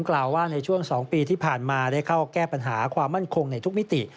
กล่าวว่าในช่วง๒ปีที่ผ่านมาได้เข้าแก้ปัญหาความมั่นคงในทุกมิติ